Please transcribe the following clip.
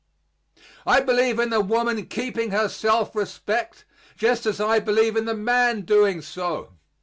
I believe in the woman keeping her self respect just as I believe in the man doing so.